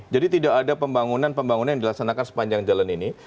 jadi tidak ada pembangunan pembangunan yang dilaksanakan sepanjang jalan ini